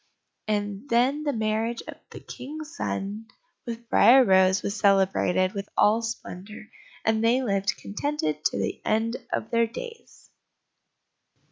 And then the marriage of the King's son with Briar rose was celebrated with all splendour, and they lived contented to the end of their days.